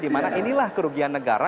dimana inilah kerugian negara